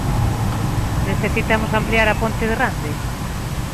Necesitamos ampliar a Ponte de Rande?